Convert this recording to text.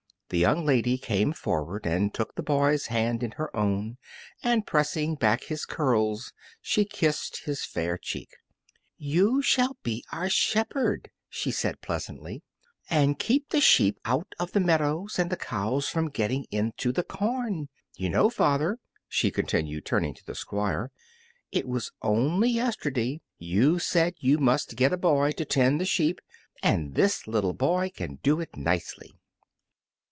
The young lady came forward and took the boy's hand in her own, and pressing back his curls, she kissed his fair cheek. "You shall be our shepherd," she said, pleasantly, "and keep the sheep out of the meadows and the cows from getting into the corn. You know, father," she continued, turning to the Squire, "it was only yesterday you said you must get a boy to tend the sheep, and this little boy can do it nicely."